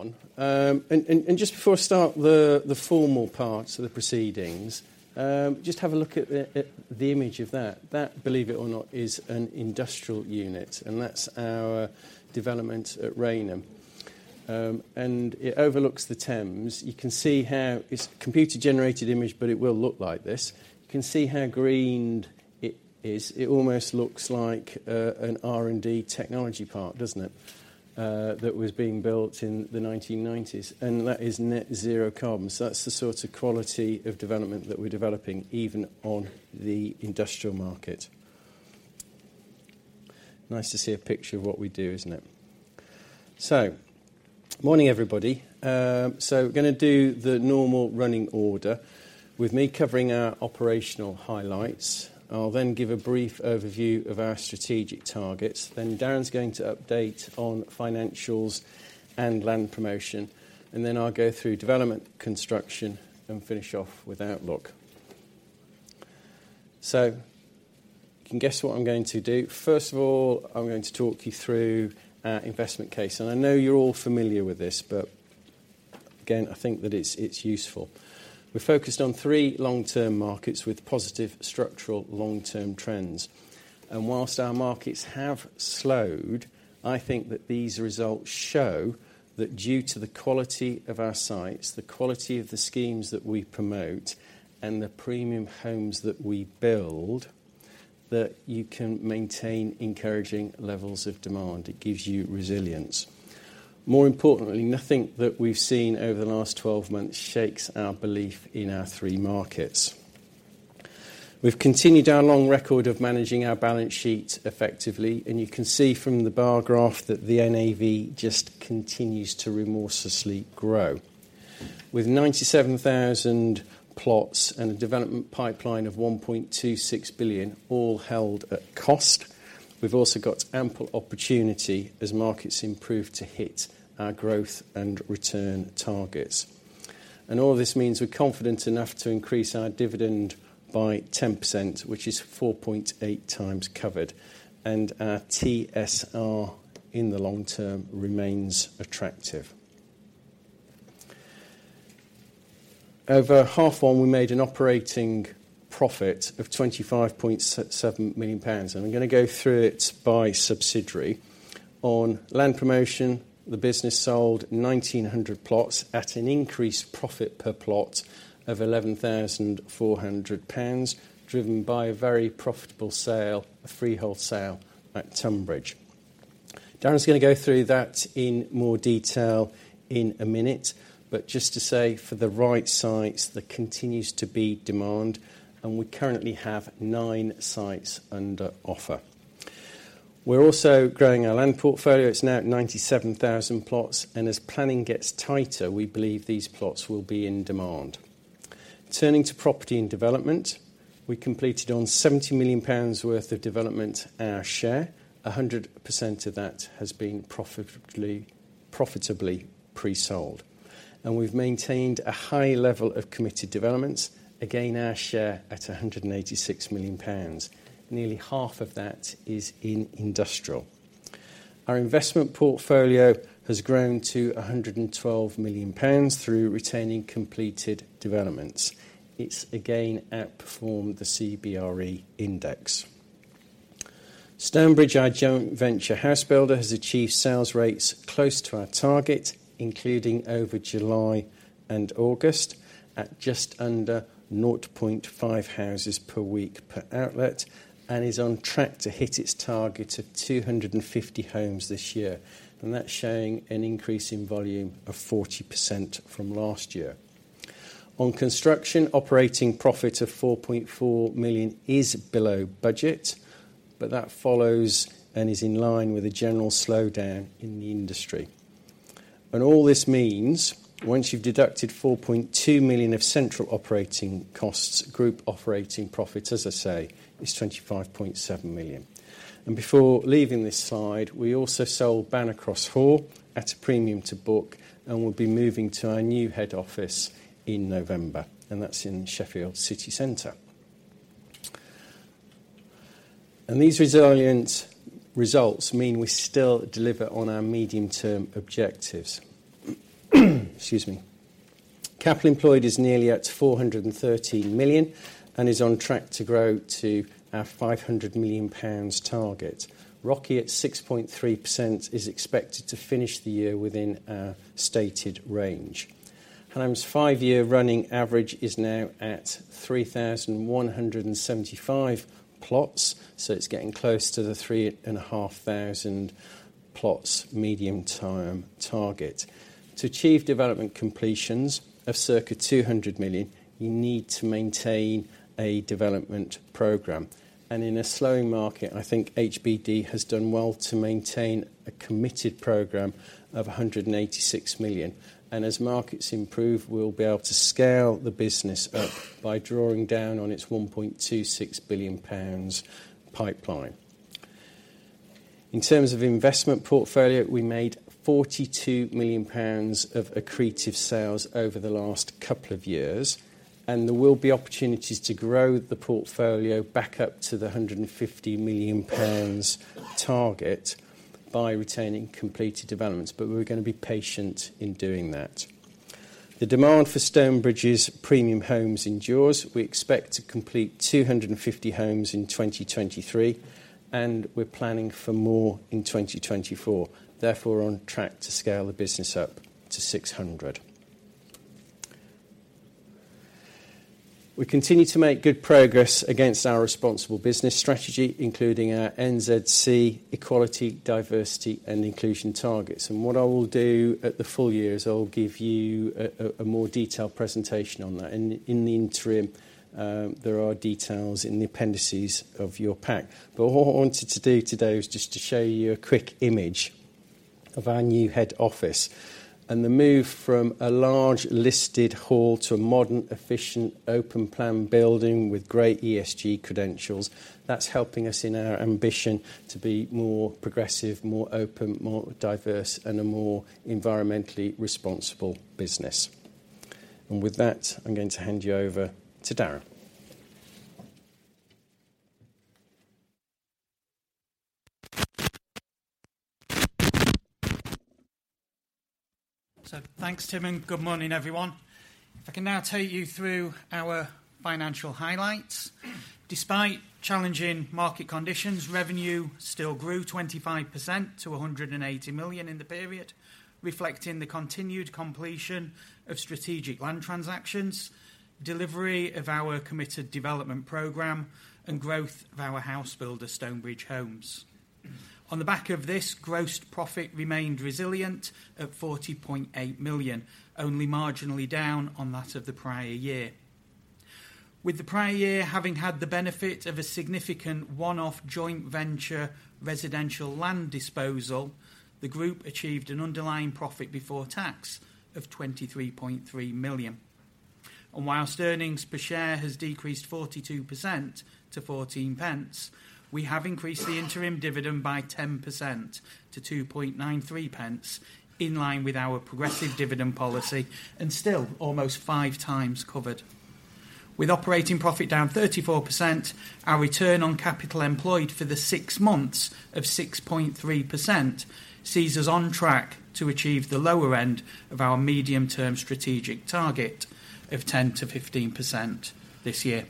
Later on. Just before I start the formal parts of the proceedings, just have a look at the image of that. That, believe it or not, is an industrial unit, and that's our development at Rainham. And it overlooks the Thames. You can see how. It's a computer-generated image, but it will look like this. You can see how green it is. It almost looks like an R&D technology park, doesn't it? That was being built in the 1990s, and that is net zero carbon. So that's the sort of quality of development that we're developing, even on the industrial market. Nice to see a picture of what we do, isn't it? So morning, everybody. So we're gonna do the normal running order, with me covering our operational highlights. I'll then give a brief overview of our strategic targets. Then Darren's going to update on financials and land promotion, and then I'll go through development, construction, and finish off with outlook. So you can guess what I'm going to do. First of all, I'm going to talk you through our investment case, and I know you're all familiar with this, but again, I think that it's useful. We focused on three long-term markets with positive structural long-term trends, and while our markets have slowed, I think that these results show that due to the quality of our sites, the quality of the schemes that we promote, and the premium homes that we build, that you can maintain encouraging levels of demand. It gives you resilience. More importantly, nothing that we've seen over the last 12 months shakes our belief in our three markets. We've continued our long record of managing our balance sheet effectively, and you can see from the bar graph that the NAV just continues to remorselessly grow. With 97,000 plots and a development pipeline of 1.26 billion, all held at cost, we've also got ample opportunity as markets improve, to hit our growth and return targets. And all this means we're confident enough to increase our dividend by 10%, which is 4.8x covered, and our TSR in the long term remains attractive. Over half one, we made an operating profit of 25.7 million pounds, and I'm gonna go through it by subsidiary. On land promotion, the business sold 1,900 plots at an increased profit per plot of 11,400 pounds, driven by a very profitable sale, a freehold sale at Tonbridge. Darren is gonna go through that in more detail in a minute, but just to say, for the right sites, there continues to be demand, and we currently have nine sites under offer. We're also growing our land portfolio. It's now at 97,000 plots, and as planning gets tighter, we believe these plots will be in demand. Turning to property and development, we completed on 70 million pounds worth of development, our share. 100% of that has been profitably, profitably pre-sold, and we've maintained a high level of committed developments. Again, our share at 186 million pounds. Nearly half of that is in industrial. Our investment portfolio has grown to 112 million pounds through retaining completed developments. It's again outperformed the CBRE index. Stonebridge, our joint venture house builder, has achieved sales rates close to our target, including over July and August, at just under 0.5 houses per week per outlet, and is on track to hit its target of 250 homes this year. And that's showing an increase in volume of 40% from last year. On construction, operating profit of 4.4 million is below budget, but that follows and is in line with the general slowdown in the industry. And all this means, once you've deducted 4.2 million of central operating costs, group operating profit, as I say, is 25.7 million. And before leaving this slide, we also sold Banner Cross Hall at a premium to book, and we'll be moving to our new head office in November, and that's in Sheffield city centre. These resilient results mean we still deliver on our medium-term objectives. Excuse me. Capital employed is nearly at 413 million and is on track to grow to our 500 million pounds target. ROCE, at 6.3%, is expected to finish the year within our stated range. Our five-year running average is now at 3,175 plots, so it's getting close to the 3,500 plots medium-term target. To achieve development completions of circa 200 million, you need to maintain a development program, and in a slowing market, I think HBD has done well to maintain a committed program of 186 million. As markets improve, we'll be able to scale the business up by drawing down on its 1.26 billion pounds pipeline. In terms of investment portfolio, we made 42 million pounds of accretive sales over the last couple of years. And there will be opportunities to grow the portfolio back up to the 150 million pounds target by retaining completed developments, but we're gonna be patient in doing that. The demand for Stonebridge's premium homes endures. We expect to complete 250 homes in 2023, and we're planning for more in 2024, therefore, on track to scale the business up to 600. We continue to make good progress against our responsible business strategy, including our NZC, equality, diversity, and inclusion targets. And what I will do at the full year is I'll give you a more detailed presentation on that. And in the interim, there are details in the appendices of your pack. But what I wanted to do today was just to show you a quick image of our new head office, and the move from a large listed hall to a modern, efficient, open plan building with great ESG credentials, that's helping us in our ambition to be more progressive, more open, more diverse, and a more environmentally responsible business. And with that, I'm going to hand you over to Darren. So thanks, Tim, and good morning, everyone. I can now take you through our financial highlights. Despite challenging market conditions, revenue still grew 25% to 180 million in the period, reflecting the continued completion of strategic land transactions, delivery of our committed development program, and growth of our house builder, Stonebridge Homes. On the back of this, gross profit remained resilient at 40.8 million, only marginally down on that of the prior year. With the prior year having had the benefit of a significant one-off joint venture residential land disposal, the group achieved an underlying profit before tax of GBP 23.3 million. And whilst earnings per share has decreased 42% to 0.14, we have increased the interim dividend by 10% to 0.0293, in line with our progressive dividend policy, and still almost 5x covered. With operating profit down 34%, our return on capital employed for the six months of 6.3% sees us on track to achieve the lower end of our medium-term strategic target of 10%-15% this year.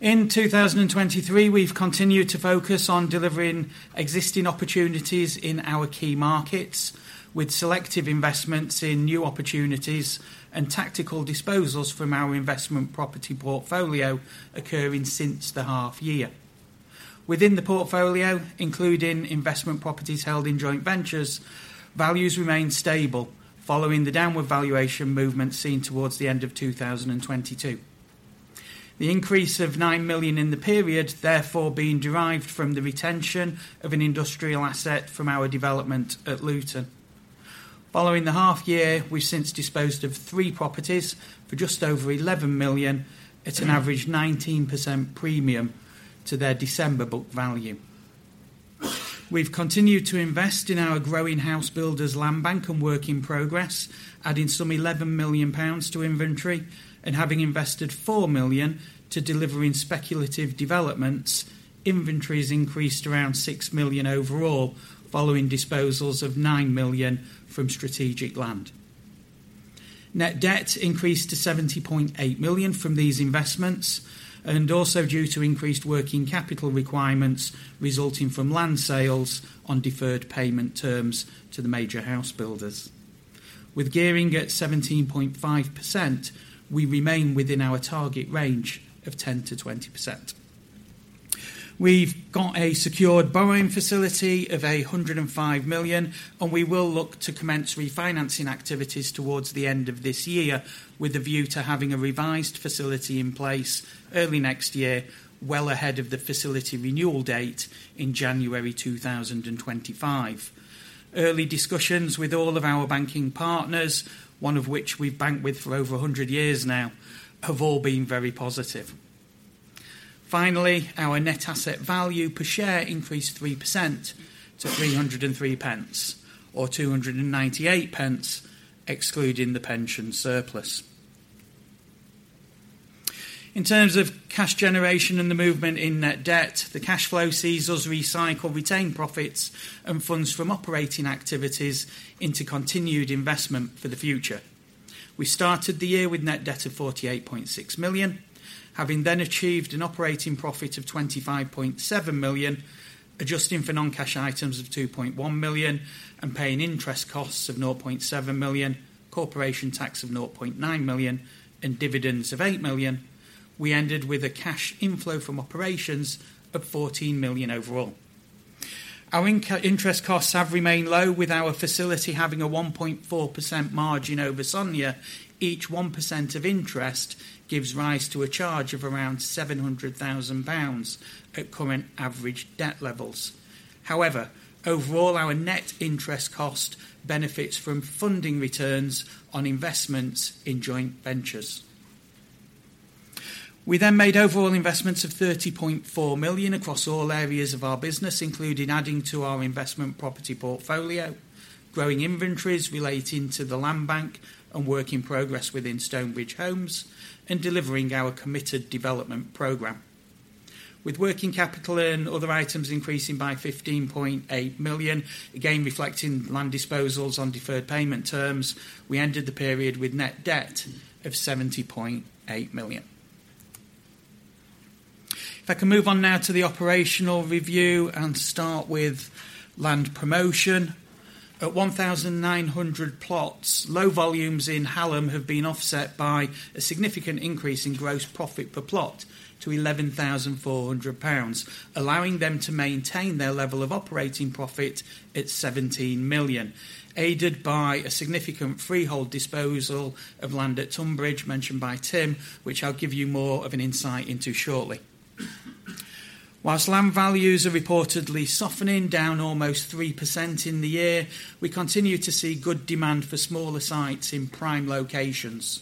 In 2023, we've continued to focus on delivering existing opportunities in our key markets, with selective investments in new opportunities and tactical disposals from our investment property portfolio occurring since the half year. Within the portfolio, including investment properties held in joint ventures, values remained stable following the downward valuation movement seen towards the end of 2022. The increase of 9 million in the period, therefore, being derived from the retention of an industrial asset from our development at Luton. Following the half year, we've since disposed of three properties for just over 11 million at an average 19% premium to their December book value. We've continued to invest in our growing house builder's land bank and work in progress, adding some 11 million pounds to inventory and having invested 4 million to delivering speculative developments, inventories increased around 6 million overall, following disposals of 9 million from strategic land. Net debt increased to 70.8 million from these investments, and also due to increased working capital requirements resulting from land sales on deferred payment terms to the major house builders. With gearing at 17.5%, we remain within our target range of 10%-20%. We've got a secured borrowing facility of GBP 105 million, and we will look to commence refinancing activities towards the end of this year, with a view to having a revised facility in place early next year, well ahead of the facility renewal date in January 2025. Early discussions with all of our banking partners, one of which we've banked with for over 100 years now, have all been very positive. Finally, our net asset value per share increased 3% to 303 pence, or 298 pence, excluding the pension surplus. In terms of cash generation and the movement in net debt, the cash flow sees us recycle retained profits and funds from operating activities into continued investment for the future. We started the year with net debt of 48.6 million, having then achieved an operating profit of 25.7 million, adjusting for non-cash items of 2.1 million, and paying interest costs of 0.7 million, corporation tax of 0.9 million, and dividends of 8 million. We ended with a cash inflow from operations of 14 million overall. Our interest costs have remained low, with our facility having a 1.4% margin over SONIA. Each 1% of interest gives rise to a charge of around 700,000 pounds at current average debt levels. However, overall, our net interest cost benefits from funding returns on investments in joint ventures. We then made overall investments of 30.4 million across all areas of our business, including adding to our investment property portfolio, growing inventories relating to the land bank, and work in progress within Stonebridge Homes, and delivering our committed development program. With working capital and other items increasing by 15.8 million, again, reflecting land disposals on deferred payment terms, we ended the period with net debt of 70.8 million. If I can move on now to the operational review and start with land promotion. At 1,900 plots, low volumes in Hallam have been offset by a significant increase in gross profit per plot to GBP 11,400, allowing them to maintain their level of operating profit at GBP 17 million, aided by a significant freehold disposal of land at Tonbridge, mentioned by Tim, which I'll give you more of an insight into shortly. While land values are reportedly softening, down almost 3% in the year, we continue to see good demand for smaller sites in prime locations.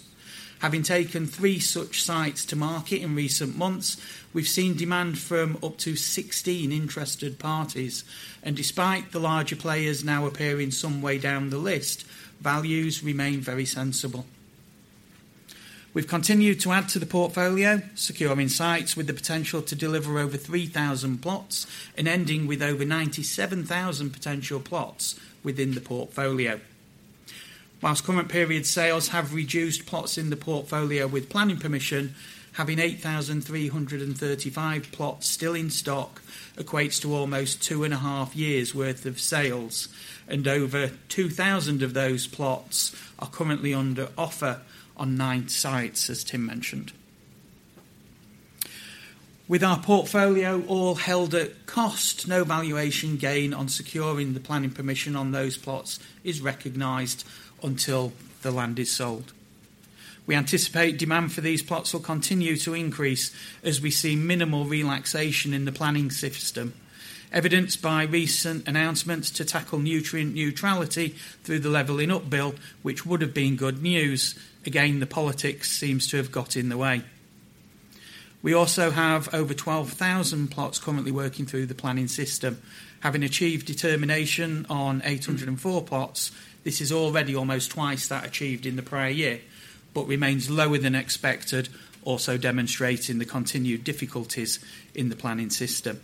Having taken three such sites to market in recent months, we've seen demand from up to 16 interested parties, and despite the larger players now appearing some way down the list, values remain very sensible. We've continued to add to the portfolio, securing sites with the potential to deliver over 3,000 plots, and ending with over 97,000 potential plots within the portfolio. While current period sales have reduced plots in the portfolio with planning permission, having 8,335 plots still in stock equates to almost 2.5 years' worth of sales, and over 2,000 of those plots are currently under offer on nine sites, as Tim mentioned. With our portfolio all held at cost, no valuation gain on securing the planning permission on those plots is recognized until the land is sold. We anticipate demand for these plots will continue to increase as we see minimal relaxation in the planning system, evidenced by recent announcements to tackle Nutrient Neutrality through the Levelling Up Bill, which would have been good news. Again, the politics seems to have got in the way. We also have over 12,000 plots currently working through the planning system. Having achieved determination on 804 plots, this is already almost twice that achieved in the prior year, but remains lower than expected, also demonstrating the continued difficulties in the planning system.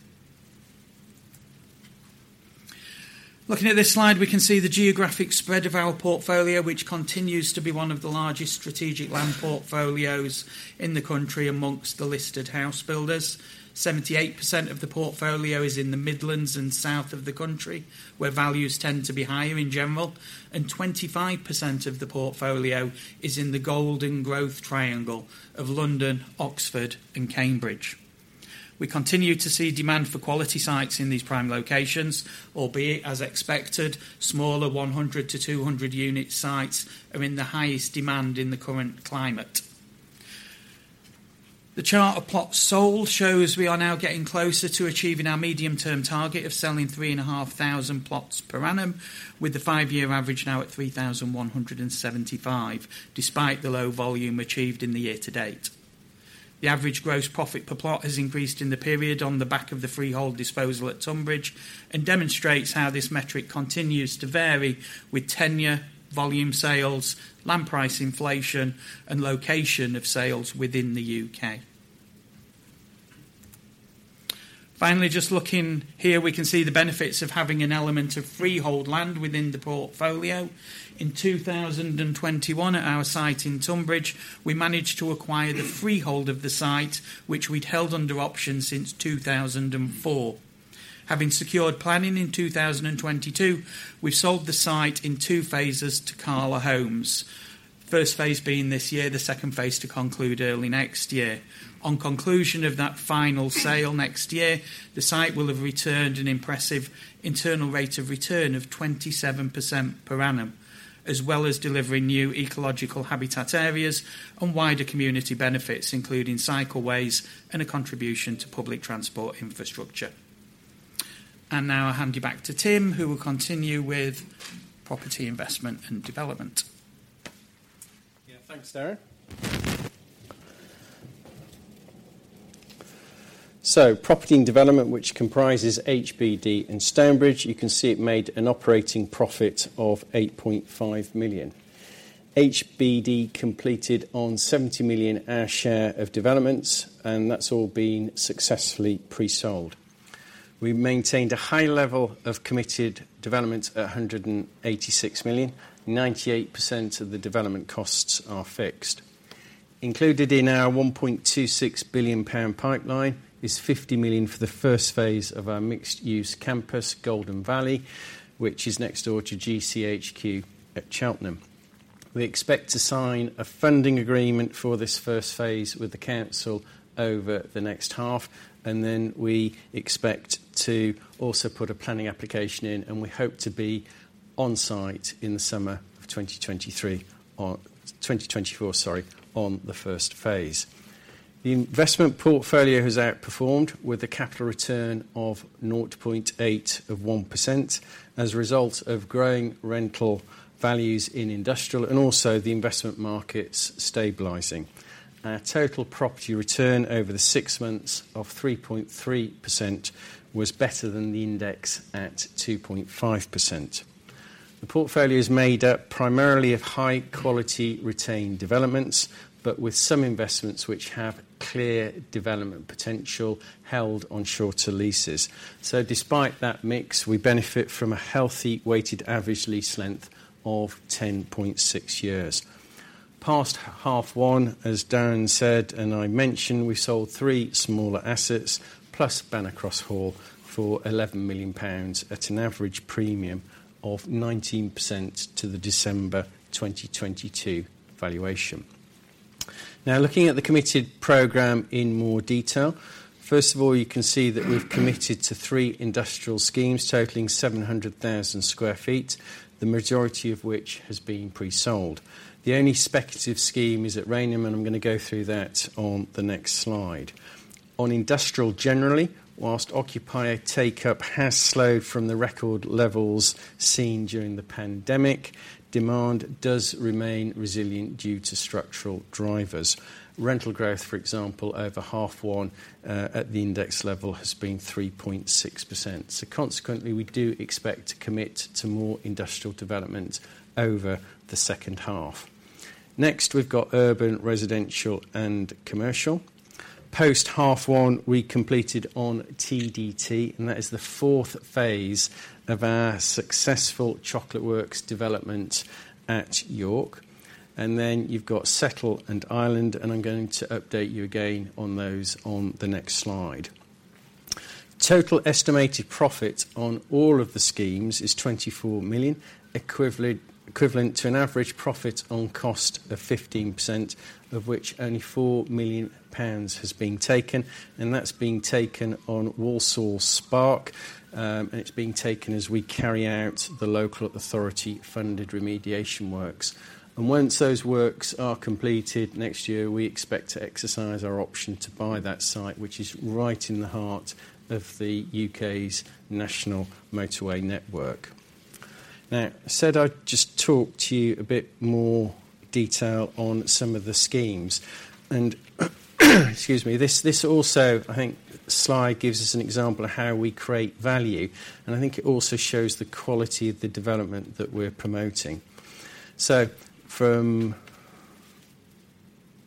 Looking at this slide, we can see the geographic spread of our portfolio, which continues to be one of the largest strategic land portfolios in the country amongst the listed house builders. 78% of the portfolio is in the Midlands and south of the country, where values tend to be higher in general, and 25% of the portfolio is in the Golden Growth Triangle of London, Oxford, and Cambridge. We continue to see demand for quality sites in these prime locations, albeit, as expected, smaller 100-200 unit sites are in the highest demand in the current climate. The chart of plots sold shows we are now getting closer to achieving our medium-term target of selling 3,500 plots per annum, with the five-year average now at 3,175, despite the low volume achieved in the year to date. The average gross profit per plot has increased in the period on the back of the freehold disposal at Tonbridge, and demonstrates how this metric continues to vary with tenure, volume sales, land price inflation, and location of sales within the UK. Finally, just looking here, we can see the benefits of having an element of freehold land within the portfolio. In 2021, at our site in Tonbridge, we managed to acquire the freehold of the site, which we'd held under option since 2004. Having secured planning in 2022, we sold the site in two phases to Cala Homes. First phase being this year, the second phase to conclude early next year. On conclusion of that final sale next year, the site will have returned an impressive internal rate of return of 27% per annum, as well as delivering new ecological habitat areas and wider community benefits, including cycle ways and a contribution to public transport infrastructure. And now I hand you back to Tim, who will continue with property investment and development. Yeah, thanks, Darren. Property and development, which comprises HBD and Stonebridge, you can see it made an operating profit of 8.5 million. HBD completed on 70 million our share of developments, and that's all been successfully pre-sold. We maintained a high level of committed development at 186 million. 98% of the development costs are fixed. Included in our 1.26 billion pound pipeline is 50 million for the first phase of our mixed-use campus, Golden Valley, which is next door to GCHQ at Cheltenham. We expect to sign a funding agreement for this first phase with the council over the next half, and then we expect to also put a planning application in, and we hope to be on site in the summer of 2023, or 2024, sorry, on the first phase. The investment portfolio has outperformed with a capital return of 0.81%, as a result of growing rental values in industrial, and also the investment markets stabilizing. Our total property return over the six months of 3.3% was better than the index at 2.5%. The portfolio is made up primarily of high-quality retained developments, but with some investments which have clear development potential held on shorter leases. So despite that mix, we benefit from a healthy weighted average lease length of 10.6 years. Past half one, as Darren said, and I mentioned, we sold three smaller assets, plus Banner Cross Hall, for GBP 11 million at an average premium of 19% to the December 2022 valuation. Now, looking at the committed program in more detail. First of all, you can see that we've committed to three industrial schemes, totaling 700,000 sq ft, the majority of which has been pre-sold. The only speculative scheme is at Rainham, and I'm gonna go through that on the next slide. On industrial, generally, whilst occupier take-up has slowed from the record levels seen during the pandemic, demand does remain resilient due to structural drivers. Rental growth, for example, over half one, at the index level, has been 3.6%. Consequently, we do expect to commit to more industrial developments over the second half. Next, we've got urban, residential, and commercial. Post half one, we completed on TDT, and that is the fourth phase of our successful The Chocolate Works development at York. You have Setl and Island, and I'm going to update you again on those on the next slide. Total estimated profit on all of the schemes is 24 million, equivalent to an average profit on cost of 15%, of which only 4 million pounds has been taken, and that's been taken on SPARK in Walsall. It's been taken as we carry out the local authority funded remediation works. Once those works are completed next year, we expect to exercise our option to buy that site, which is right in the heart of the U.K.'s national motorway network. I said I'd just talk to you a bit more detail on some of the schemes. Excuse me, this, this also, I think, slide gives us an example of how we create value, and I think it also shows the quality of the development that we're promoting. So from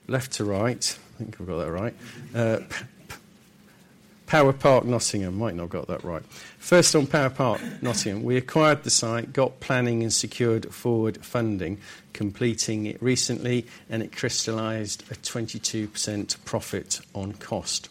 left to right, I think I've got that right, Power Park, Nottingham. Might not have got that right. First on Power Park, Nottingham. We acquired the site, got planning and secured forward funding, completing it recently, and it crystallized a 22% profit on cost.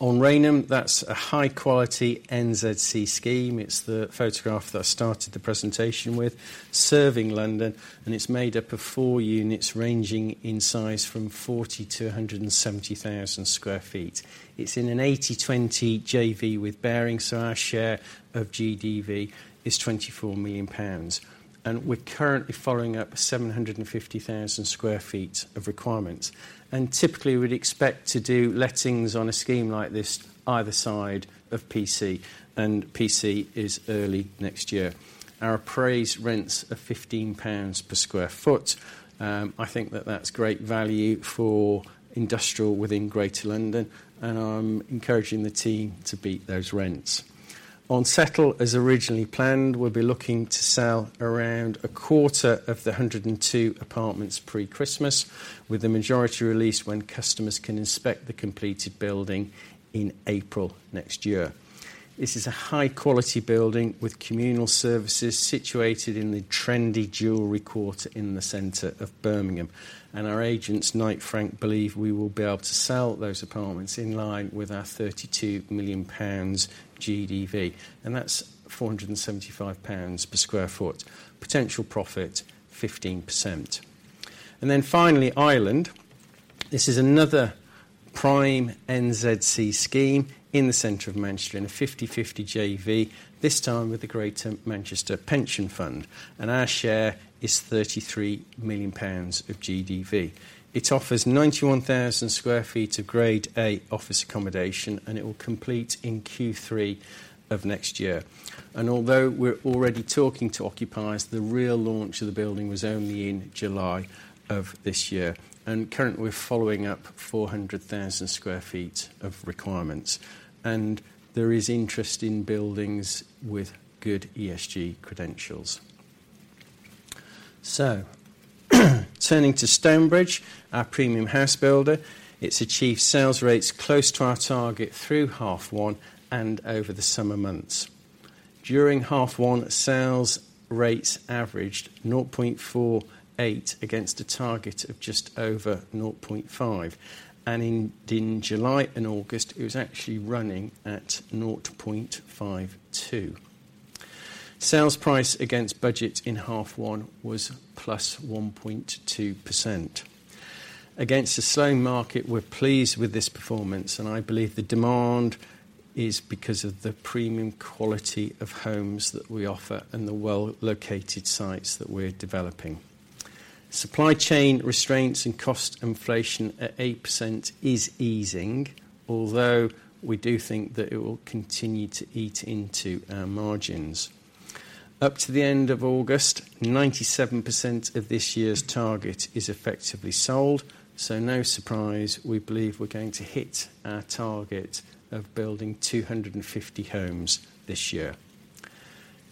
On Rainham, that's a high-quality NZC scheme. It's the photograph that I started the presentation with, serving London, and it's made up of four units, ranging in size from 40 to 170,000 sq ft. It's in an 80/20 JV with Barings, so our share of GDV is 24 million pounds. And we're currently following up 750,000 sq ft of requirements. Typically, we'd expect to do lettings on a scheme like this, either side of PC, and PC is early next year. Our appraised rents are 15 pounds per sq ft. I think that that's great value for industrial within Greater London, and I'm encouraging the team to beat those rents. On Setl, as originally planned, we'll be looking to sell around a quarter of the 102 apartments pre-Christmas, with the majority released when customers can inspect the completed building in April next year. This is a high-quality building with communal services situated in the trendy Jewellery Quarter in the center of Birmingham. Our agents, Knight Frank, believe we will be able to sell those apartments in line with our 32 million pounds GDV, and that's 475 pounds per sq ft. Potential profit, 15%. Finally, Island. This is another prime NZC scheme in the center of Manchester, in a 50/50 JV, this time with the Greater Manchester Pension Fund, and our share is 33 million pounds of GDV. It offers 91,000 sq ft of Grade A office accommodation, and it will complete in Q3 of next year. Although we're already talking to occupiers, the real launch of the building was only in July of this year, and currently, we're following up 400,000 sq ft of requirements. There is interest in buildings with good ESG credentials. Turning to Stonebridge, our premium house builder, it's achieved sales rates close to our target through half one and over the summer months. During half one, sales rates averaged 0.48 against a target of just over 0.5, and in July and August, it was actually running at 0.52. Sales price against budget in half one was +1.2%. Against a slow market, we're pleased with this performance, and I believe the demand is because of the premium quality of homes that we offer and the well-located sites that we're developing. Supply chain restraints and cost inflation at 8% is easing, although we do think that it will continue to eat into our margins. Up to the end of August, 97% of this year's target is effectively sold, so no surprise, we believe we're going to hit our target of building 250 homes this year.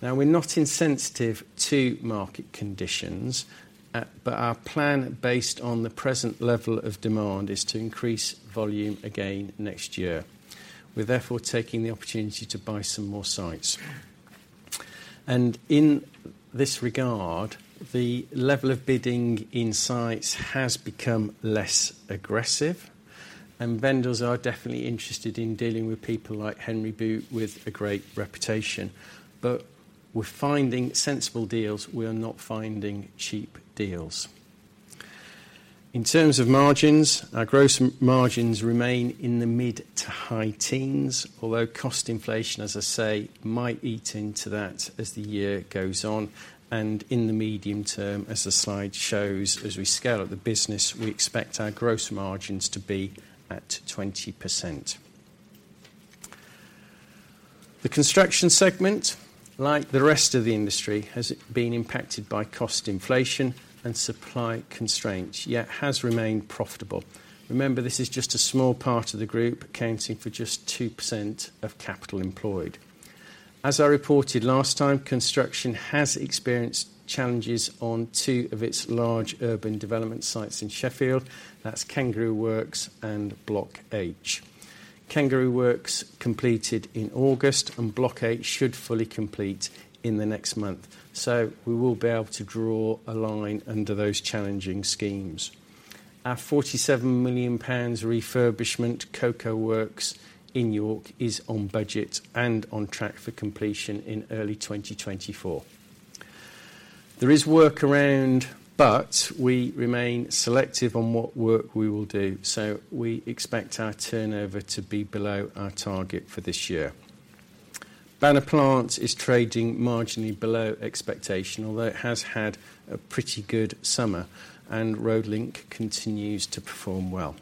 Now, we're not insensitive to market conditions, but our plan, based on the present level of demand, is to increase volume again next year. We're therefore taking the opportunity to buy some more sites. In this regard, the level of bidding in sites has become less aggressive, and vendors are definitely interested in dealing with people like Henry Boot with a great reputation. We're finding sensible deals; we are not finding cheap deals. In terms of margins, our gross margins remain in the mid to high teens, although cost inflation, as I say, might eat into that as the year goes on. In the medium term, as the slide shows, as we scale up the business, we expect our gross margins to be at 20%. The construction segment, like the rest of the industry, has it been impacted by cost inflation and supply constraints, yet has remained profitable. Remember, this is just a small part of the group, accounting for just 2% of capital employed. As I reported last time, construction has experienced challenges on two of its large urban development sites in Sheffield. That's Kangaroo Works and Block H. Kangaroo Works completed in August, and Block H should fully complete in the next month, so we will be able to draw a line under those challenging schemes. Our 47 million pounds refurbishment, The Cocoa Works in York, is on budget and on track for completion in early 2024. There is work around, but we remain selective on what work we will do, so we expect our turnover to be below our target for this year. Banner Plant is trading marginally below expectation, although it has had a pretty good summer, and Road Link continues to perform well.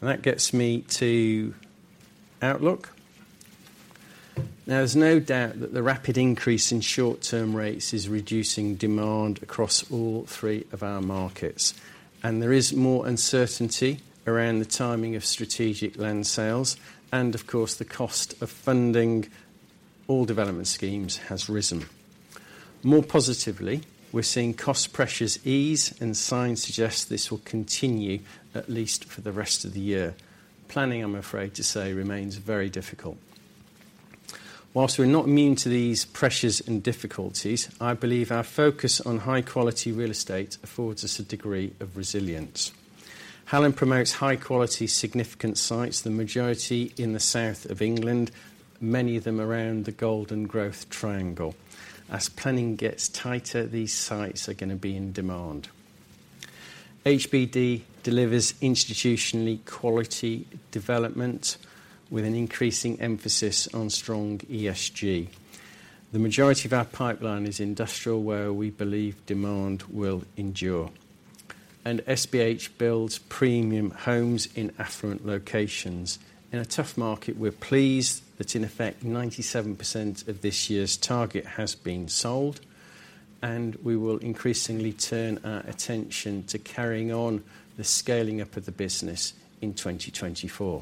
And that gets me to outlook. Now, there's no doubt that the rapid increase in short-term rates is reducing demand across all three of our markets, and there is more uncertainty around the timing of strategic land sales. And, of course, the cost of funding all development schemes has risen. More positively, we're seeing cost pressures ease, and signs suggest this will continue, at least for the rest of the year. Planning, I'm afraid to say, remains very difficult. While we're not immune to these pressures and difficulties, I believe our focus on high-quality real estate affords us a degree of resilience. Hallam promotes high quality, significant sites, the majority in the South of England, many of them around the Golden Growth Triangle. As planning gets tighter, these sites are gonna be in demand. HBD delivers institutionally quality development with an increasing emphasis on strong ESG. The majority of our pipeline is industrial, where we believe demand will endure, and SBH builds premium homes in affluent locations. In a tough market, we're pleased that, in effect, 97% of this year's target has been sold, and we will increasingly turn our attention to carrying on the scaling up of the business in 2024.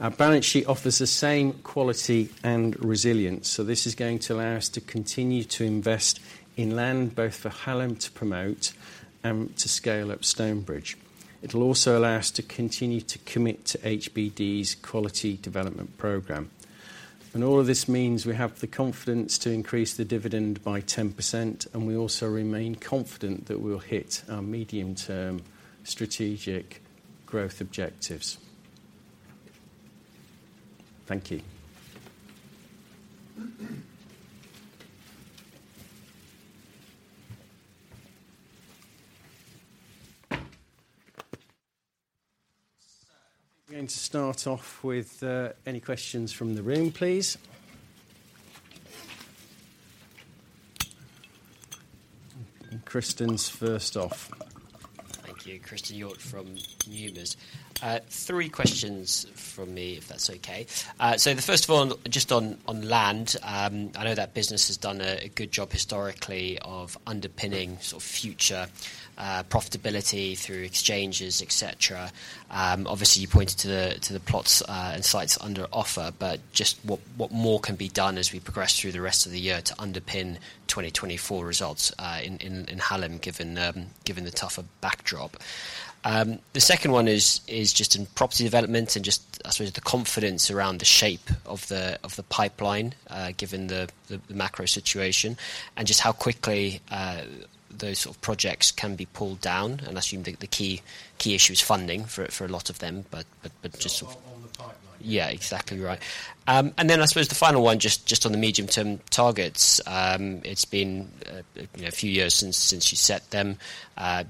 Our balance sheet offers the same quality and resilience, so this is going to allow us to continue to invest in land, both for Hallam to promote and to scale up Stonebridge. It'll also allow us to continue to commit to HBD's quality development program. All of this means we have the confidence to increase the dividend by 10%, and we also remain confident that we'll hit our medium-term strategic growth objectives. Thank you. We're going to start off with any questions from the room, please. And Chris is first off. Thank you. Chris Millington from Numis. Three questions from me, if that's okay. So the first one, just on land. I know that business has done a good job historically of underpinning sort of future profitability through exchanges, et cetera. Obviously, you pointed to the plots and sites under offer, but just what more can be done as we progress through the rest of the year to underpin 2024 results in Hallam, given the tougher backdrop? The second one is just in property development and just, I suppose, the confidence around the shape of the pipeline, given the macro situation, and just how quickly those sort of projects can be pulled down. I assume the key issue is funding for a lot of them, but just. Yeah, exactly right. Then I suppose the final one, just on the medium-term targets. It's been, you know, a few years since you set them.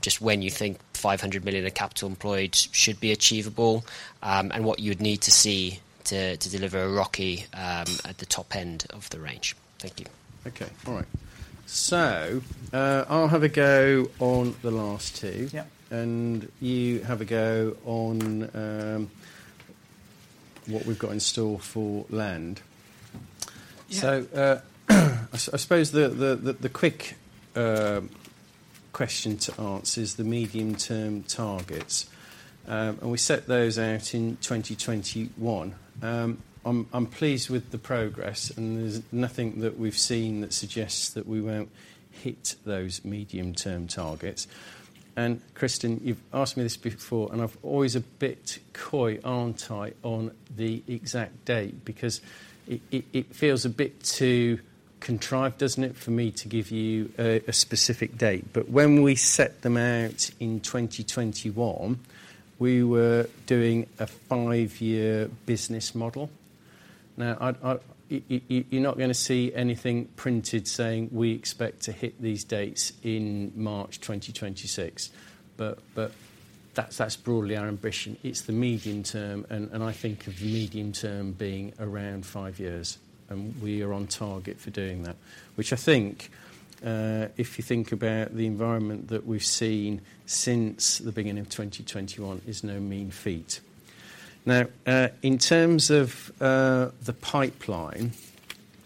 Just when you think 500 million of capital employed should be achievable, and what you would need to see to deliver a ROCE at the top end of the range? Thank you. Okay. All right. So, I'll have a go on the last two. Yeah. And you have a go on what we've got in store for land. Yeah. So, I suppose the quick question to ask is the medium-term targets. We set those out in 2021. I'm pleased with the progress, and there's nothing that we've seen that suggests that we won't hit those medium-term targets. Chris, you've asked me this before, and I've always a bit coy, aren't I, on the exact date? Because it feels a bit too contrived, doesn't it, for me to give you a specific date. But when we set them out in 2021, we were doing a five-year business model. Now, I'd, you're not gonna see anything printed saying, we expect to hit these dates in March 2026, but that's broadly our ambition. It's the medium term, and I think of the medium term being around five years, and we are on target for doing that. Which I think, if you think about the environment that we've seen since the beginning of 2021, is no mean feat. Now, in terms of the pipeline,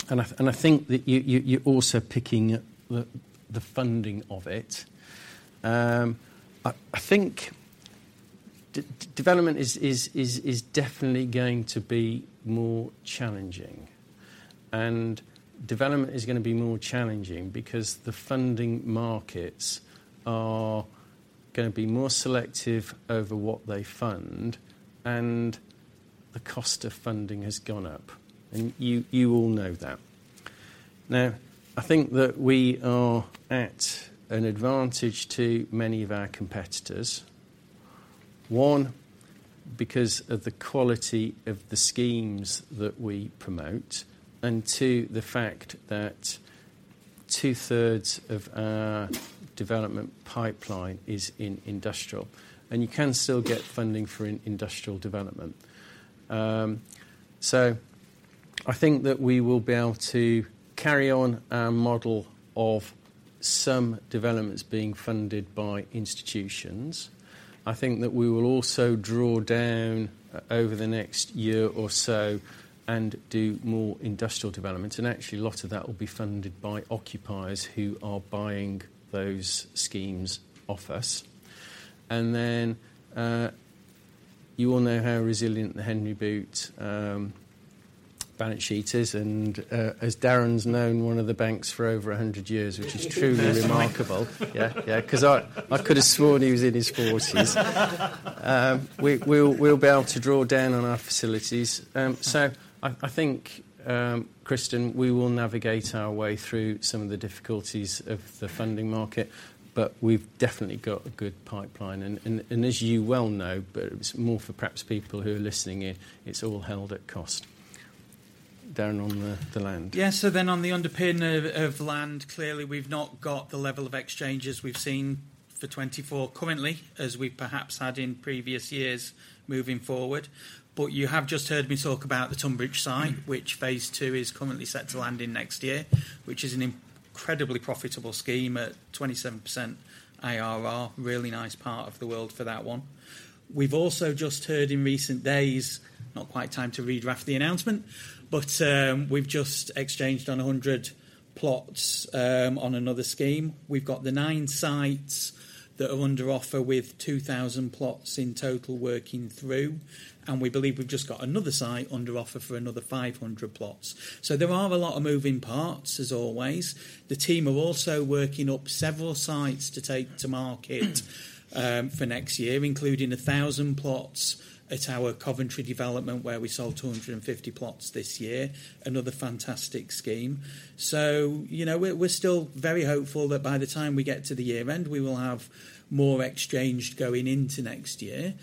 and I think that you, you're also picking the funding of it. I think development is definitely going to be more challenging. And development is gonna be more challenging because the funding markets are gonna be more selective over what they fund, and the cost of funding has gone up. And you all know that. Now, I think that we are at an advantage to many of our competitors. One, because of the quality of the schemes that we promote, and two, the fact that 2/3 of our development pipeline is in industrial, and you can still get funding for an industrial development. So I think that we will be able to carry on our model of some developments being funded by institutions. I think that we will also draw down over the next year or so, and do more industrial developments, and actually, a lot of that will be funded by occupiers who are buying those schemes off us. And then you all know how resilient the Henry Boot balance sheet is, and as Darren's known one of the banks for over 100 years, which is truly remarkable. Yeah, yeah, 'cause I could have sworn he was in his forties. We'll be able to draw down on our facilities. So I think, Chris, we will navigate our way through some of the difficulties of the funding market, but we've definitely got a good pipeline, and as you well know, but it's more for perhaps people who are listening in, it's all held at cost. Darren, on the land. Yeah. So then on the underpinning of, of land, clearly we've not got the level of exchanges we've seen for 2024 currently, as we perhaps had in previous years moving forward. But you have just heard me talk about the Tonbridge site, which Phase II is currently set to land in next year, which is an incredibly profitable scheme at 27% IRR. Really nice part of the world for that one. We've also just heard in recent days, not quite time to redraft the announcement, but, we've just exchanged on 100 plots, on another scheme. We've got the nine sites that are under offer, with 2,000 plots in total working through, and we believe we've just got another site under offer for another 500 plots. So there are a lot of moving parts, as always. The team are also working up several sites to take to market for next year, including 1,000 plots at our Coventry development, where we sold 250 plots this year. Another fantastic scheme. So you know, we're, we're still very hopeful that by the time we get to the year end, we will have more exchanged going into next year,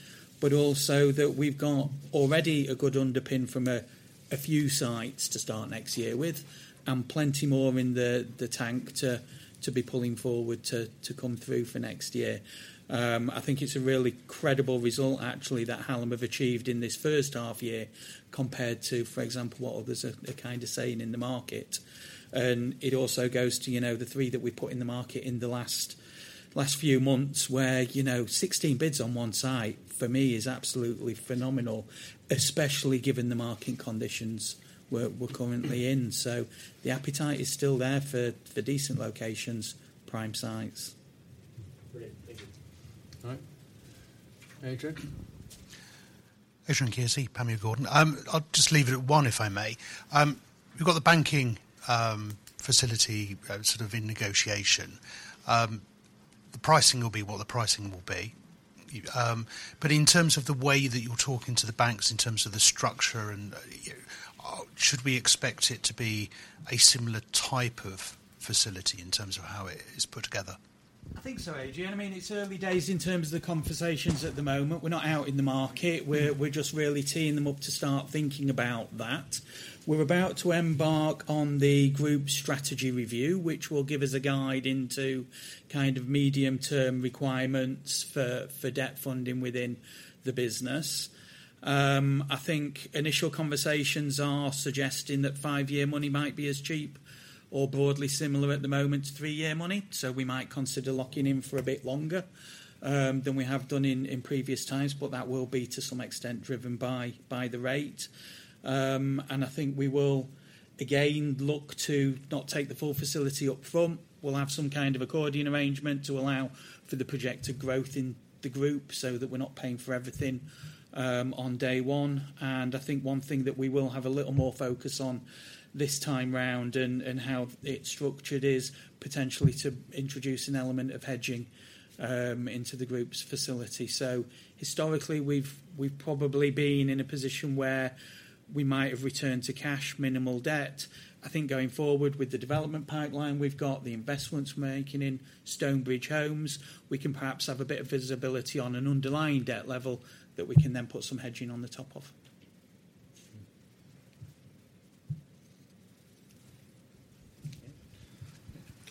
but also that we've got already a good underpin from a, a few sites to start next year with, and plenty more in the, the tank to, to be pulling forward to, to come through for next year. I think it's a really credible result, actually, that Hallam have achieved in this first half year, compared to, for example, what others are, are kind of saying in the market. It also goes to, you know, the three that we put in the market in the last, last few months, where, you know, 16 bids on one site, for me is absolutely phenomenal, especially given the market conditions we're, we're currently in. So the appetite is still there for, for decent locations, prime sites. Brilliant. Thank you. All right. Adrian? Adrian Kearsey, Panmure Gordon. I'll just leave it at one, if I may. You've got the banking facility sort of in negotiation. The pricing will be what the pricing will be. But in terms of the way that you're talking to the banks, in terms of the structure and. Should we expect it to be a similar type of facility in terms of how it is put together? I think so, Adrian. I mean, it's early days in terms of the conversations at the moment. We're not out in the market. We're just really teeing them up to start thinking about that. We're about to embark on the group strategy review, which will give us a guide into kind of medium-term requirements for debt funding within the business. I think initial conversations are suggesting that five-year money might be as cheap or broadly similar at the moment to three-year money, so we might consider locking in for a bit longer than we have done in previous times, but that will be, to some extent, driven by the rate. And I think we will, again, look to not take the full facility up front. We'll have some kind of accordion arrangement to allow for the projected growth in the group, so that we're not paying for everything on day one. And I think one thing that we will have a little more focus on this time round and how it's structured is potentially to introduce an element of hedging into the group's facility. So historically, we've probably been in a position where we might have returned to cash, minimal debt. I think going forward with the development pipeline, we've got the investments we're making in Stonebridge Homes. We can perhaps have a bit of visibility on an underlying debt level that we can then put some hedging on the top of.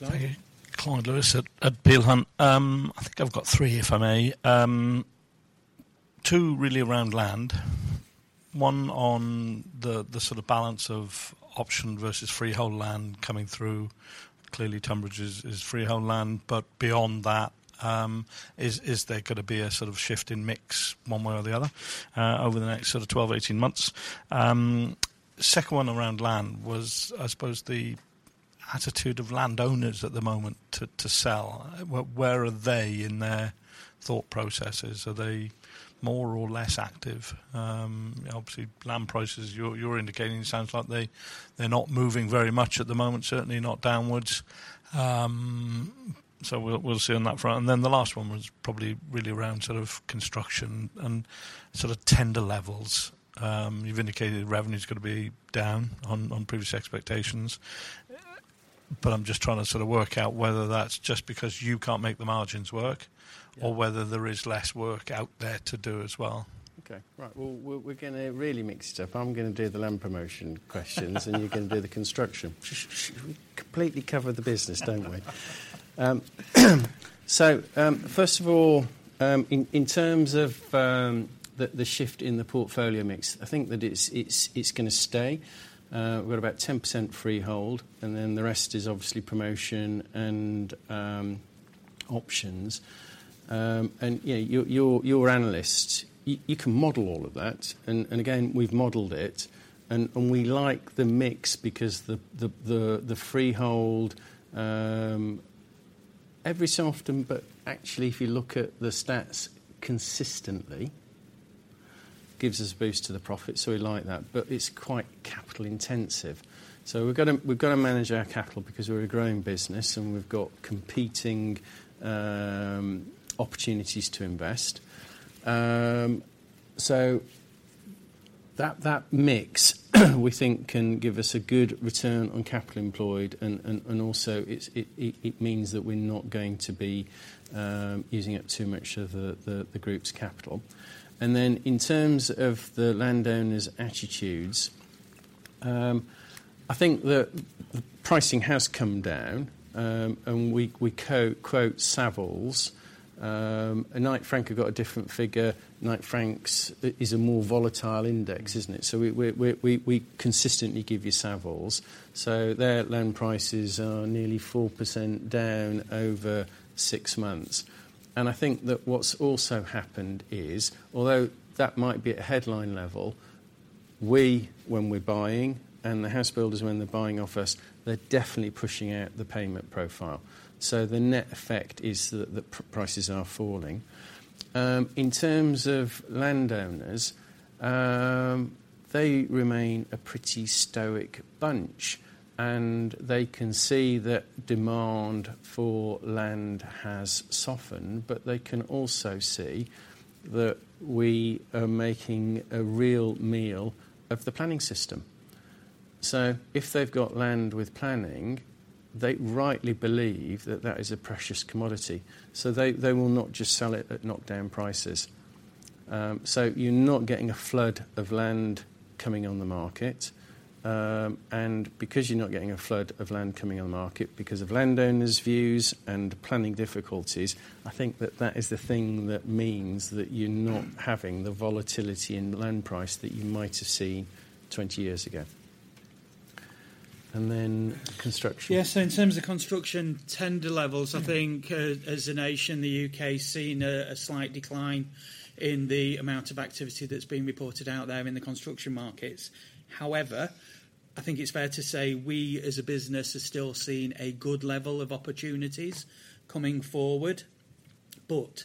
Okay. Clyde Lewis at Peel Hunt. I think I've got three, if I may. Two really around land. One on the sort of balance of option versus freehold land coming through. Clearly, Tonbridge is freehold land, but beyond that, is there gonna be a sort of shift in mix one way or the other, over the next sort of 12, 18 months? Second one around land was, I suppose, the attitude of landowners at the moment to sell. Where are they in their thought processes? Are they more or less active? Obviously, land prices, you're indicating it sounds like they're not moving very much at the moment, certainly not downwards. So we'll see on that front. And then the last one was probably really around sort of construction and sort of tender levels. You've indicated revenue is gonna be down on previous expectations, but I'm just trying to sort of work out whether that's just because you can't make the margins work. Yeah. Or whether there is less work out there to do as well. Okay, right. Well, we're gonna really mix it up. I'm gonna do the land promotion questions and you're gonna do the construction. We completely cover the business, don't we? So, first of all, in terms of the shift in the portfolio mix, I think that it's gonna stay. We've got about 10% freehold, and then the rest is obviously promotion and options. And, yeah, you're analysts. You can model all of that. And again, we've modeled it, and we like the mix because the freehold every so often, but actually, if you look at the stats consistently, gives us a boost to the profit, so we like that, but it's quite capital intensive. So we've gotta manage our capital because we're a growing business, and we've got competing opportunities to invest. So that mix, we think can give us a good return on capital employed, and also, it means that we're not going to be using up too much of the group's capital. And then, in terms of the landowners' attitudes, I think the pricing has come down, and we co-quote Savills. And Knight Frank have got a different figure. Knight Frank's is a more volatile index, isn't it? So we consistently give you Savills. So their land prices are nearly 4% down over six months. I think that what's also happened is, although that might be at headline level, we, when we're buying, and the house builders, when they're buying off us, they're definitely pushing out the payment profile. So the net effect is that the prices are falling. In terms of landowners, they remain a pretty stoic bunch, and they can see that demand for land has softened, but they can also see that we are making a real meal of the planning system. So if they've got land with planning, they rightly believe that that is a precious commodity, so they will not just sell it at knockdown prices. So, you're not getting a flood of land coming on the market, and because you're not getting a flood of land coming on the market, because of landowners' views and planning difficulties, I think that that is the thing that means that you're not having the volatility in land price that you might have seen 20 years ago. And then construction. Yes, so in terms of construction tender levels, I think, as a nation, the UK has seen a slight decline in the amount of activity that's being reported out there in the construction markets. However, I think it's fair to say, we, as a business, are still seeing a good level of opportunities coming forward. But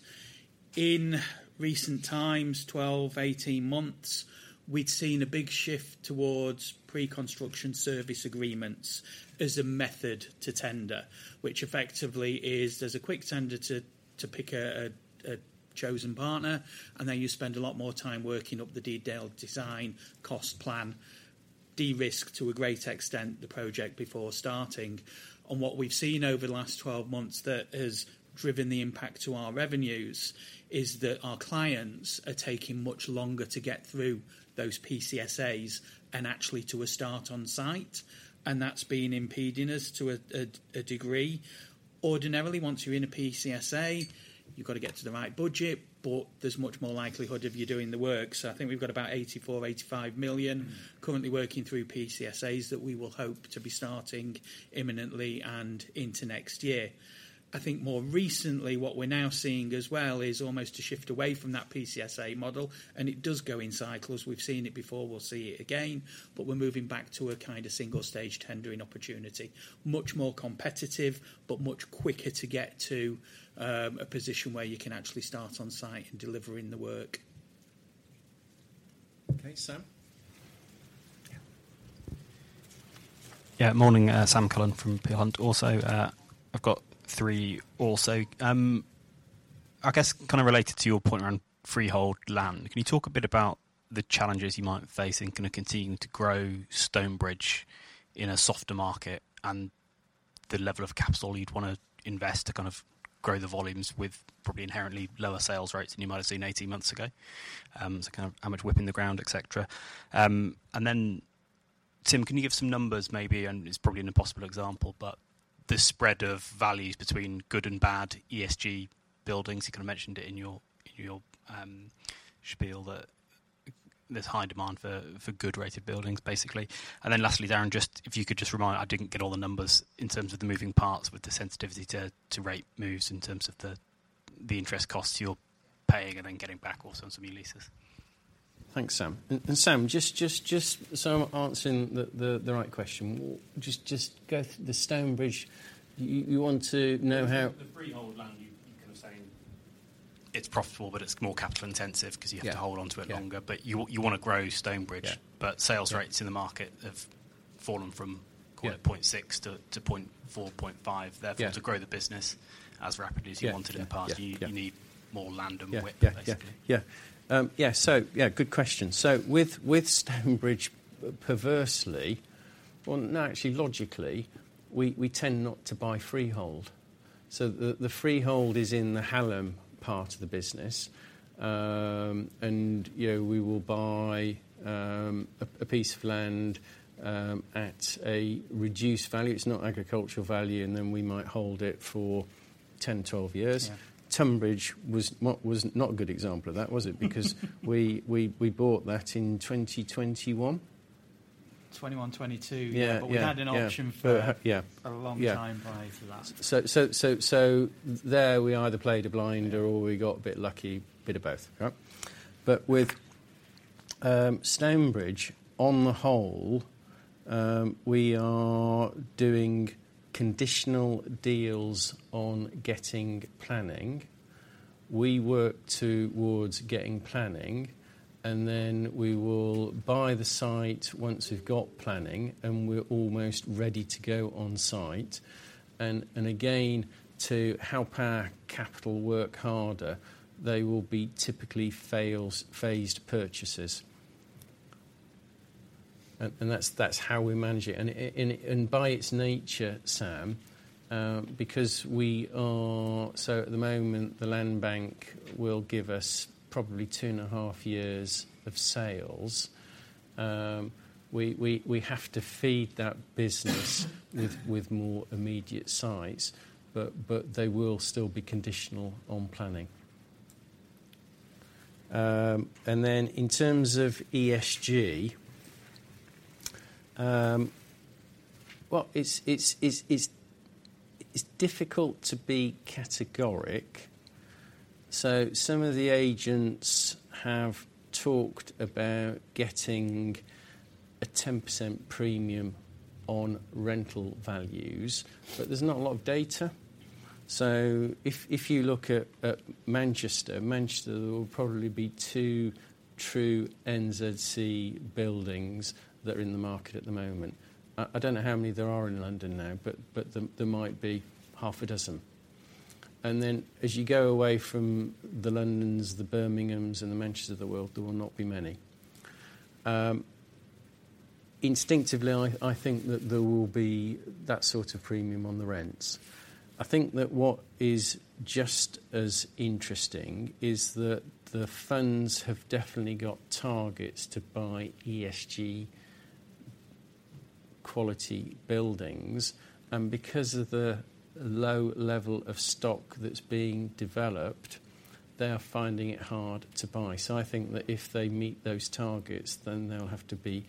in recent times, 12, 18 months, we've seen a big shift towards pre-construction service agreements as a method to tender, which effectively is there's a quick tender to pick a chosen partner, and then you spend a lot more time working up the detailed design, cost plan, de-risk to a great extent, the project before starting. And what we've seen over the last 12 months that has driven the impact to our revenues is that our clients are taking much longer to get through those PCSAs, and actually, to a start on site, and that's been impeding us to a degree. Ordinarily, once you're in a PCSA, you've got to get to the right budget, but there's much more likelihood of you doing the work. So I think we've got about 84 million to 85 million currently working through PCSAs that we will hope to be starting imminently and into next year. I think more recently, what we're now seeing as well is almost a shift away from that PCSA model, and it does go in cycles. We've seen it before, we'll see it again, but we're moving back to a kind of single-stage tendering opportunity. Much more competitive, but much quicker to get to a position where you can actually start on site and delivering the work. Okay, Sam? Yeah, morning, Sam Cullen from Peel Hunt also. I've got three also. I guess, kind of related to your point around freehold land, can you talk a bit about the challenges you might face in kinda continuing to grow Stonebridge in a softer market, and the level of capital you'd wanna invest to kind of grow the volumes with probably inherently lower sales rates than you might have seen 18 months ago? So kind of how much whip in the ground, et cetera. And then Tim, can you give some numbers, maybe, and it's probably an impossible example, but the spread of values between good and bad ESG buildings. You kind of mentioned it in your, in your, spiel that there's high demand for, for good rated buildings, basically. And then lastly, Darren, just if you could just remind. I didn't get all the numbers in terms of the moving parts with the sensitivity to rate moves, in terms of the interest costs you're paying and then getting back also on some of your leases. Thanks, Sam. Sam, just so I'm answering the right question. Just go through the Stonebridge, you want to know how. The freehold land, you're kind of saying it's profitable, but it's more capital intensive. Yeah. ’Cause you have to hold on to it longer. Yeah. You, you wanna grow Stonebridge. Yeah. But sales rates in the market have fallen from. Yeah. 0.6 to 0.4, 0.5. Yeah. Therefore, to grow the business as rapidly. Yeah, yeah. As you wanted in the past. Yeah, yeah. You need more land and width, basically. Yeah, good question. So with Stonebridge, perversely, well, no, actually logically, we tend not to buy freehold. So the freehold is in the Hallam part of the business. And, you know, we will buy a piece of land at a reduced value. It's not agricultural value, and then we might hold it for 10, 12 years. Yeah. Tonbridge was not a good example of that, was it? Because we bought that in 2021? 2021, 2022. Yeah, yeah, yeah. But we'd had an option for. Yeah. A long time by last. So there we either played a blinder. Yeah. Or we got a bit lucky. A bit of both, right? But with Stonebridge, on the whole, we are doing conditional deals on getting planning. We work towards getting planning, and then we will buy the site once we've got planning, and we're almost ready to go on site. And again, to help our capital work harder, they will be typically phased purchases. And that's how we manage it. And by its nature, Sam, because we are. So at the moment, the land bank will give us probably 2.5 years of sales. We have to feed that business with more immediate sites, but they will still be conditional on planning. And then in terms of ESG, well, it's difficult to be categorical. So some of the agents have talked about getting a 10% premium on rental values, but there's not a lot of data. So if you look at Manchester, there will probably be two true NZC buildings that are in the market at the moment. I don't know how many there are in London now, but there might be half a dozen. And then, as you go away from the Londons, the Birminghams, and the Manchesters of the world, there will not be many. Instinctively, I think that there will be that sort of premium on the rents. I think that what is just as interesting is that the funds have definitely got targets to buy ESG quality buildings, and because of the low level of stock that's being developed, they are finding it hard to buy. So I think that if they meet those targets, then they'll have to be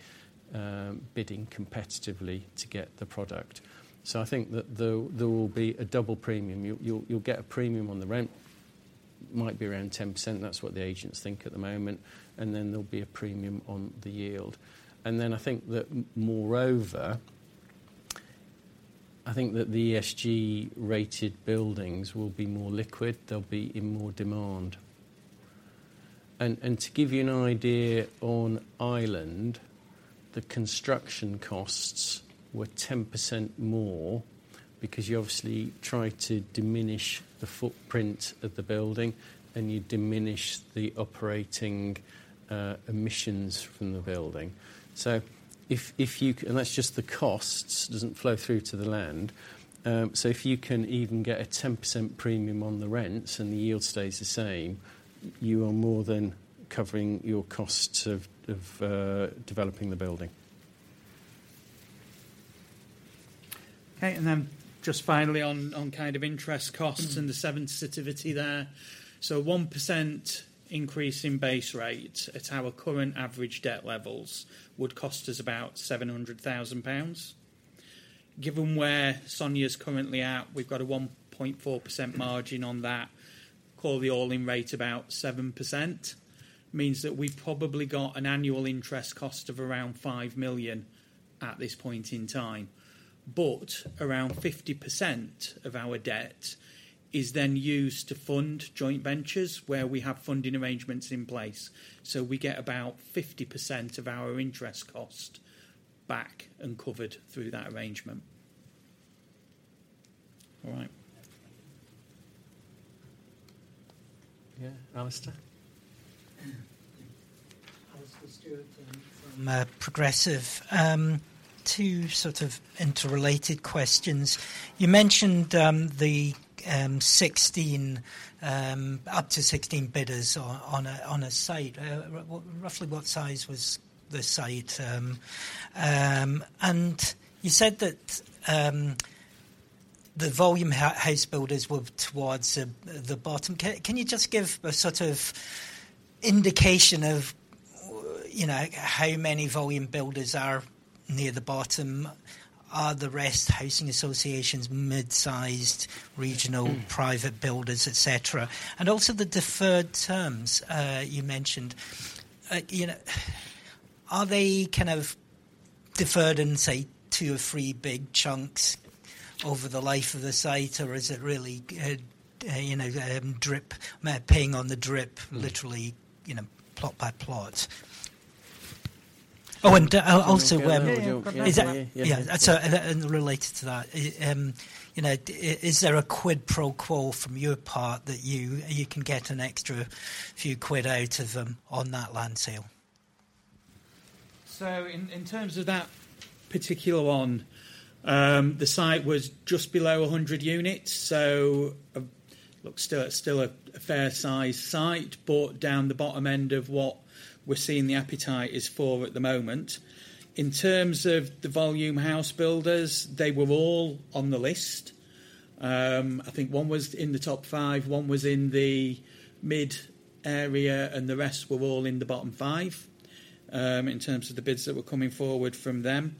bidding competitively to get the product. So I think that there will be a double premium. You'll get a premium on the rent. Might be around 10%, that's what the agents think at the moment, and then there'll be a premium on the yield. And then, I think that moreover, I think that the ESG-rated buildings will be more liquid, they'll be in more demand. And to give you an idea, on Island, the construction costs were 10% more because you obviously try to diminish the footprint of the building, and you diminish the operating emissions from the building. And that's just the costs, doesn't flow through to the land. So if you can even get a 10% premium on the rents and the yield stays the same, you are more than covering your costs of developing the building. Okay, and then just finally on, on kind of interest costs. Mm-hmm. The sensitivity there. So 1% increase in base rates at our current average debt levels would cost us about 700,000 pounds. Given where SONIA is currently at, we've got a 1.4% margin on that. Call the all-in rate about 7%. Means that we've probably got an annual interest cost of around 5 million at this point in time. But around 50% of our debt is then used to fund joint ventures, where we have funding arrangements in place. So we get about 50% of our interest cost back and covered through that arrangement. All right. Yeah, Alistair? Alastair Stewart from Progressive. Two sort of interrelated questions. You mentioned the 16, up to 16 bidders on a site. Roughly what size was the site? And you said that the volume house builders were towards the bottom. Can you just give a sort of indication of, you know, how many volume builders are near the bottom? Are the rest housing associations, mid-sized, regional. Mm. Private builders, et cetera? And also, the deferred terms you mentioned. You know, are they kind of deferred in, say, two or three big chunks over the life of the site, or is it really, you know, drip, paying on the drip. Mm. Literally, you know, plot by plot? Oh, and, also. Yeah, yeah. Yeah, yeah, yeah. Is that. Yeah, so, and related to that, you know, is there a quid pro quo from your part that you, you can get an extra few quid out of them on that land sale? In terms of that particular one, the site was just below 100 units, so, look, still a fair size site, but down the bottom end of what we're seeing the appetite is for at the moment. In terms of the volume house builders, they were all on the list. I think one was in the top five, one was in the mid area, and the rest were all in the bottom five in terms of the bids that were coming forward from them.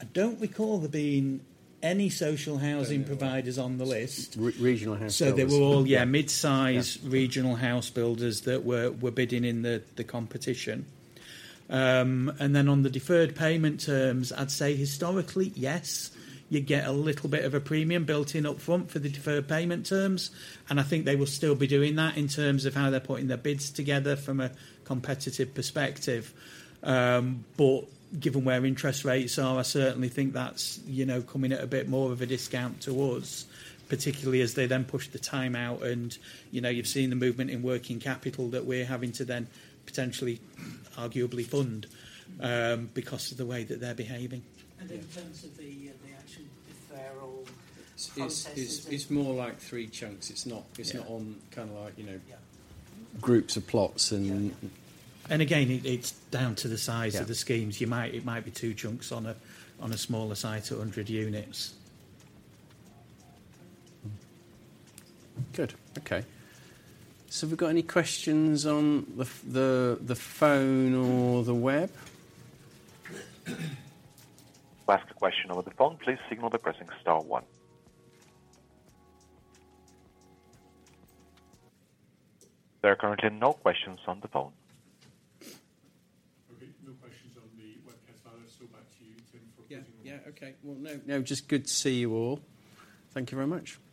I don't recall there being any social housing. No. Providers on the list. Regional house builders. So they were all, yeah, mid-sized. Yeah. Regional house builders that were bidding in the competition. And then on the deferred payment terms, I'd say historically, yes, you get a little bit of a premium built in upfront for the deferred payment terms, and I think they will still be doing that in terms of how they're putting their bids together from a competitive perspective. But given where interest rates are, I certainly think that's, you know, coming at a bit more of a discount to us, particularly as they then push the time out and, you know, you've seen the movement in working capital that we're having to then potentially, arguably fund, because of the way that they're behaving. Yeah. In terms of the actual deferral process, is. It's more like three chunks. It's not. Yeah. It's not on kind of like, you know. Yeah. Groups of plots and. And again, it's down to the size. Yeah. Of the schemes. You might, it might be two chunks on a smaller site, 100 units. Good. Okay. So have we got any questions on the phone or the web? To ask a question over the phone, please signal by pressing star one. There are currently no questions on the phone. Okay, no questions on the webcast either, so back to you, Tim, for closing remarks. Yeah. Yeah, okay. Well, no, no, just good to see you all. Thank you very much. Thank you.